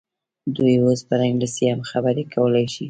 دوی اوس پر انګلیسي هم خبرې کولای شي.